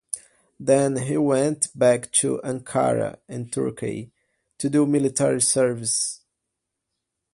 Then he went back to Ankara, Turkey, to do military service.